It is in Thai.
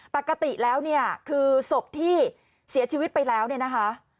ปกติแล้วคือศพที่เสียชีวิตไปแล้วนะคะ